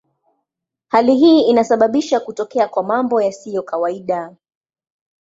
Hali hii inasababisha kutokea kwa mambo yasiyo kawaida.